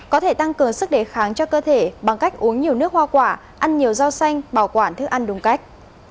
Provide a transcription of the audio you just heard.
có thể tăng cường sức đề kháng cho cơ thể bằng cách uống nhiều nước hoa quả ăn nhiều rau xanh bảo quản thức ăn đúng cách